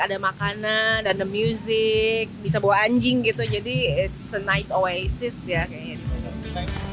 ada makanan ada musik bisa bawa anjing gitu jadi it s a nice oasis ya kayaknya disana